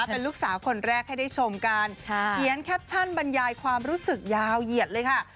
เป็นลูกสาวคนแรกให้ได้ชมกันเขียนแคปชั่นบรรยายความรู้สึกยาวเหยียดเลยค่ะ